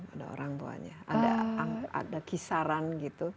ada orang tuanya ada kisaran gitu